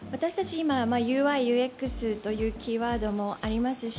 今、ＵＩ、ＵＸというキーワードもありますし